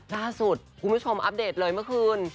ล่าสุดคุณผู้ชมอัปเดตเลยเมื่อคืน